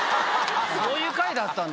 そういう会だったんだ。